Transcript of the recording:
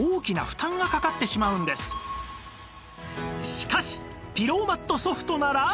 しかしピローマット Ｓｏｆｔ なら